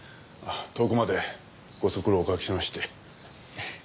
遠くまでご足労をおかけしまして。